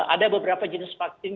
ada beberapa jenis vaksin